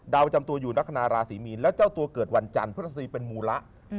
จำตัวอยู่ลักษณะราศีมีนแล้วเจ้าตัวเกิดวันจันทร์พฤษฎีเป็นมูระ